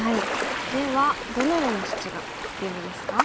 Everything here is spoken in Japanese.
ではどのような処置が必要ですか？